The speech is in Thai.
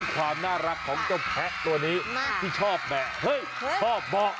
ความน่ารักของเจ้าแพะตัวนี้ที่ชอบแบะเฮ้ยชอบบอก